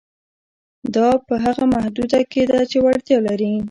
دا په هغه محدوده کې ده چې وړتیا لري.